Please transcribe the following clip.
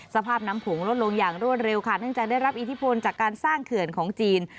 สภาพน้ำโขงลดลงอย่างรวดเร็วค่ะเนื่องจากได้รับอิทธิพลจากการสร้างเขื่อนของจีน